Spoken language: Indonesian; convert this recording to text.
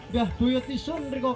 dah duet disun rekopan